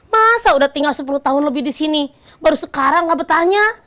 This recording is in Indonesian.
masa udah tinggal sepuluh tahun lebih di sini baru sekarang gak bertanya